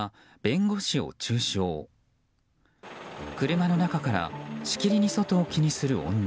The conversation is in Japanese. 車の中からしきりに外を気にする女。